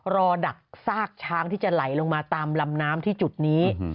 อดักซากช้างที่จะไหลลงมาตามลำน้ำที่จุดนี้